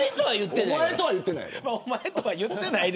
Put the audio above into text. おまえとは言ってない。